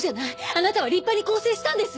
あなたは立派に更生したんです！